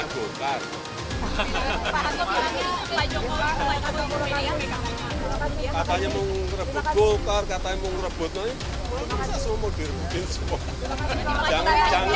berita ketiga menteri koordinator bidang perekonomian air langga hartarto mengaku